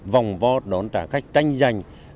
vòng vo đón trả khách tranh giành